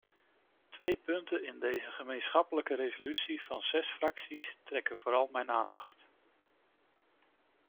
Twee punten in deze gemeenschappelijke resolutie van zes fracties trekken vooral mijn aandacht.